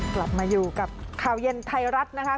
กลับมาอยู่กับข่าวเย็นไทยรัฐนะคะ